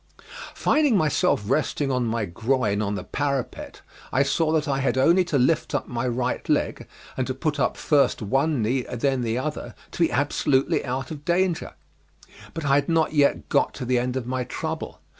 Finding myself resting on my groin on the parapet, I saw that I had only to lift up my right leg and to put up first one knee and then the other to be absolutely out of danger; but I had not yet got to the end of my trouble.